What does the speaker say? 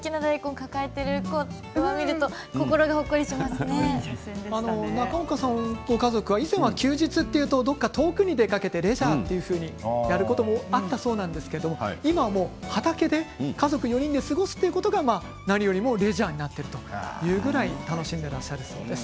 うれしそうに大きな大根を抱えている子を見ると中岡さんご家族が以前は休日というと遠くへ出かけてレジャーということもあったそうなんですが今は畑で家族４人で過ごすということが何よりもメジャーになっているというぐらい楽しんでらっしゃるそうです。